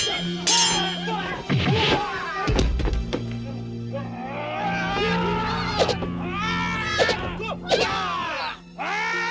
anggini kau tidak apa apa